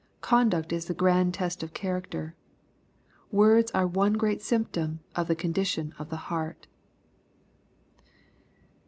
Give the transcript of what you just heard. Conduct is the grand test of character. Words are one great symptom of the con dition of the heart.